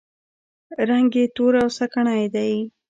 رنګ یې تور او سکڼۍ دی.